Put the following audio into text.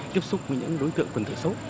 tiếp xúc với những đối tượng quần thể số